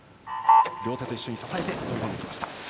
両手と一緒に支えて飛び込みました。